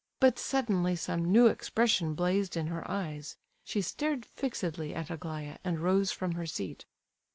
But suddenly some new expression blazed in her eyes. She stared fixedly at Aglaya, and rose from her seat.